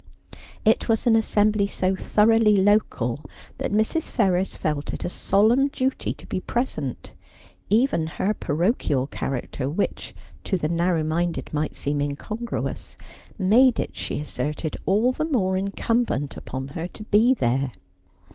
It was an assembly so thoroughly local that Mrs. Ferrers felt it a solemn duty to be present : even her parochial character, which to the narrow minded might seem incongruous, made it, she asserted, all the more incumbent upon her to be there.